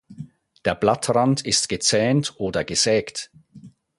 Der Blattrand ist gezähnt oder gesägt.